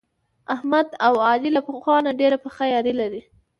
احمد او علي له پخوا نه ډېره پخه یاري لري.